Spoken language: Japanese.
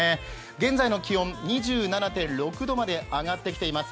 現在の気温２７．６度まで上がってきています。